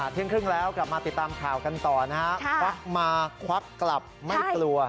เที่ยงครึ่งแล้วกลับมาติดตามข่าวกันต่อนะฮะควักมาควักกลับไม่กลัว